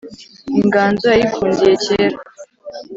inganzo yayikundiye kera